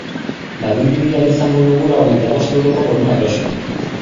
Badirudi ahal izango dugula hogeita bost euroko bonua erosi.